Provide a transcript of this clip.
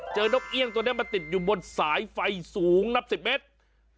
นกเอี่ยงตัวนี้มันติดอยู่บนสายไฟสูงนับ๑๐เมตร